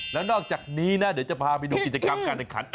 แล้วนอกจากนี้นะเดี๋ยวจะพาไปดูกิจกรรมการแข่งขัน